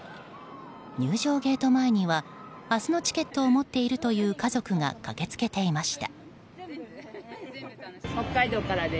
入場ゲート前には明日のチケットを持っているという家族が駆けつけていました。